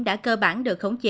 đã cơ bản được khống chế